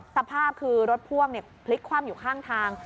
สภาพคือรถพ่วงพลิกคว่ำอยู่ข้างทาง